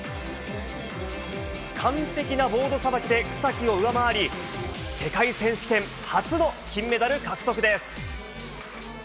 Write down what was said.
完璧なボードさばきで草木を上回り世界選手権初の金メダル獲得です。